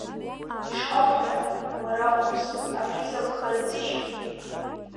Ишҳауҳәара, уара умст, абри закәхарызишь?!